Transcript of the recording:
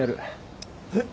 えっ。